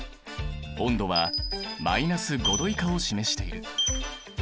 温度は−５℃以下を示している。